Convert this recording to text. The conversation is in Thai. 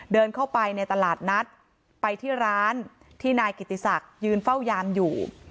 เดินเข้าไปในตลาดนัดไปที่ร้านที่นายกิติศักดิ์ยืนเฝ้ายามอยู่